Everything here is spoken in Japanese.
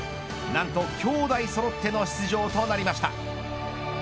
なんと兄弟そろっての出場となりました。